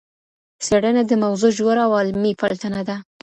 څېړنه د موضوع ژوره او علمي پلټنه ده.